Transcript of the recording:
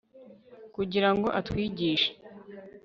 kugira ngo atwigishe